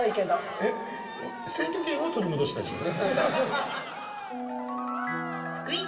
えっ選挙権を取り戻したいってこと？